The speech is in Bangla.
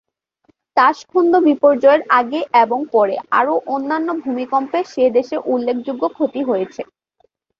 তাশখন্দ বিপর্যয়ের আগে এবং পরে আরও অন্যান্য ভূমিকম্পে সে দেশের উল্লেখযোগ্য ক্ষতি হয়েছে।